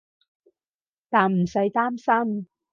但唔使擔心